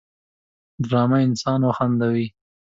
ډرامه انسان وخندوي